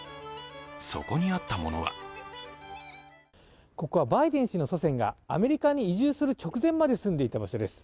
そこにあったものはここはバイデン氏の祖先がアメリカに移住する直前まで住んでいた場所です。